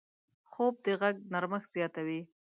خوب د غږ نرمښت زیاتوي